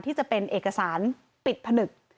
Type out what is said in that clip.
ที่จะเป็นเอกสารปิดผนึก